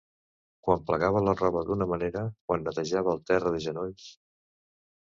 Quan plegava la roba d’una manera, quan netejava el terra de genolls.